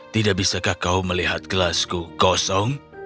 tidak bisakah kau melihat gelasku kosong